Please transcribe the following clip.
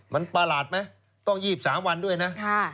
มันประหลาดไหมต้อง๒๓วันด้วยนะ